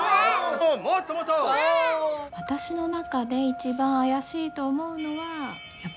私の中で一番怪しいと思うのはやっぱり萌先生。